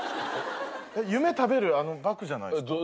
夢食べるバクじゃないっすか？